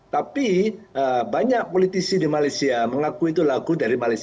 tapi banyak politisi di malaysia mengakui itu lagu keluarga sayang